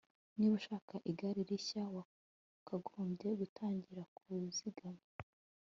Niba ushaka igare rishya wakagombye gutangira kuzigama